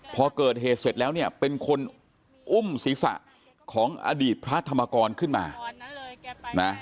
พอเกิดเหตุเสร็จแล้วเป็นคนอุ้มศิษย์ศาสตร์ของอดีตพระธรรมกรขึ้นมา